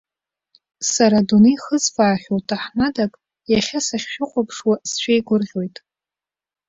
Сара адунеи хызфаахьоу ҭаҳмадак, иахьа сахьшәыхәаԥшуа сшәеигәырӷьоит.